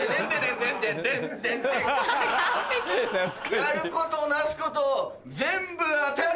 やることなすこと全部当たる！